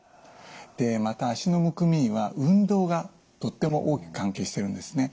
また脚のむくみには運動がとっても大きく関係してるんですね。